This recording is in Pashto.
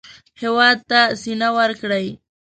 هېواد ته سینه ورکړئ